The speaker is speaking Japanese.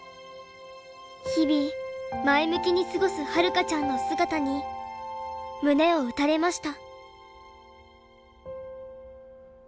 日々前向きに過ごすはるかちゃんの姿に胸を打たれました。